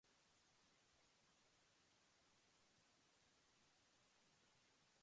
Overcoming stumbling blocks requires perseverance, problem-solving skills, and determination.